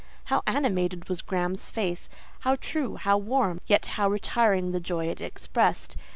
How animated was Graham's face! How true, how warm, yet how retiring the joy it expressed!